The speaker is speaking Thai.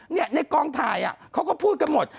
ในกองถ่ายเขาก็พูดกันหมด